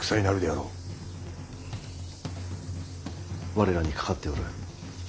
我らにかかっておる。